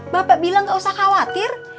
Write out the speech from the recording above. bapak bilang gak usah khawatir